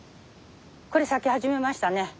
これ咲き始めましたね。